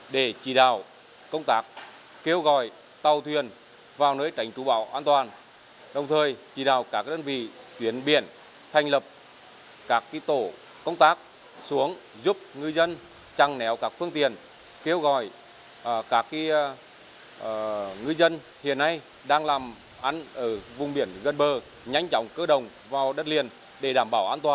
đến chiều ngày một tháng tám tất cả các phương tiện đã vào nơi trú ẩn an toàn không có phương tiện hoạt động ở vùng nguy hiểm